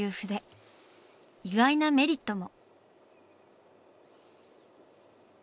意外なメリットも。